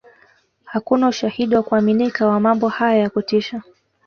Hakuna ushahidi wa kuaminika wa mambo haya ya kutisha